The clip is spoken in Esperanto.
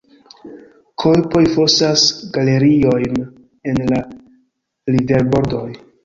Kojpoj fosas galeriojn en la riverbordoj.